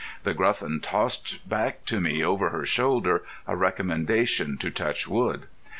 The Gruffin tossed back to me over her shoulder a recommendation to touch wood.